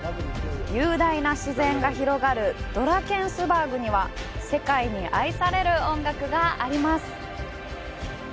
雄大な自然が広がるドラケンスバーグには、世界に愛される音楽があります。